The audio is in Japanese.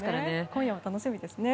今夜は楽しみですね。